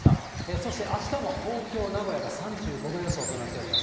そしてあしたも、東京、名古屋が３５度予想となっております。